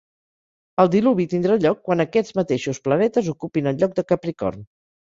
El diluvi tindrà lloc quan aquests mateixos planetes ocupin el lloc de Capricorn.